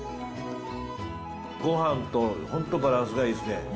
ごはんと本当、バランスがいいですね。